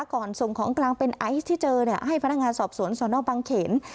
ส่งของกลางเป็นไอซ์ที่เจอให้พนักงานสอบสวนสนบังเขน